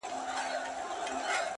د نيمي شپې د خاموشۍ د فضا واړه ستـوري _